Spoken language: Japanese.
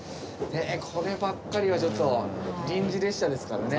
こればっかりはちょっと臨時列車ですからね。